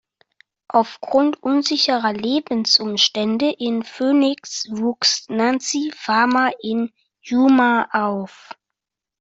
Aufgrund unsicherer Lebensumstände in Phoenix wuchs Nancy Farmer in Yuma auf.